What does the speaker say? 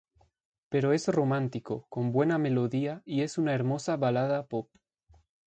Pero es romántico, con buena melodía y es una hermosa balada pop.